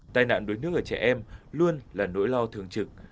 tai nạn đuối nước ở trẻ em luôn là nỗi lo thường trực